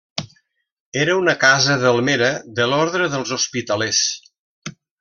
Era una casa delmera de l'ordre dels Hospitalers.